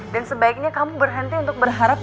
dan sebaiknya kamu berhenti untuk berharap